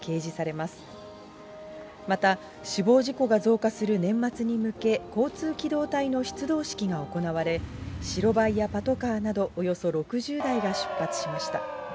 また、死亡事故が増加する年末に向け、交通機動隊の出動式が行われ、白バイやパトカーなどおよそ６０台が出発しました。